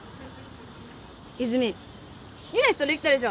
泉好きな人できたでしょ？